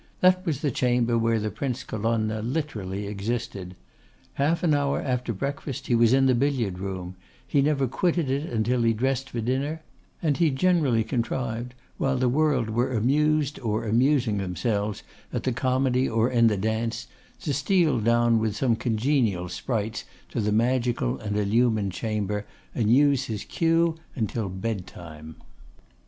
That was the chamber where the Prince Colonna literally existed. Half an hour after breakfast he was in the billiard room; he never quitted it until he dressed for dinner; and he generally contrived, while the world were amused or amusing themselves at the comedy or in the dance, to steal down with some congenial sprites to the magical and illumined chamber, and use his cue until bedtime.